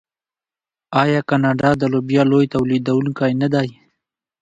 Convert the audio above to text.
آیا کاناډا د لوبیا لوی تولیدونکی نه دی؟